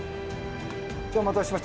お待たせしました。